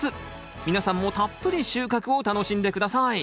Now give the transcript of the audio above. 皆さんもたっぷり収穫を楽しんで下さい。